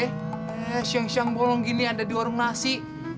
eh syeng seng bolong gini ada di warung nasi